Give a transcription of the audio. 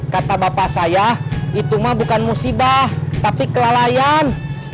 kata bapak saya itumah bukan musibah tapi kelalaian